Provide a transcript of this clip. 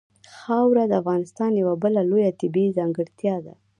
خاوره د افغانستان یوه بله لویه طبیعي ځانګړتیا ده.